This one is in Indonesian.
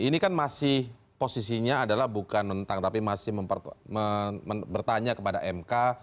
ini kan masih posisinya adalah bukan tentang tapi masih bertanya kepada mk